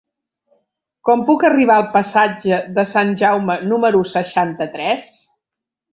Com puc arribar al passatge de Sant Jaume número seixanta-tres?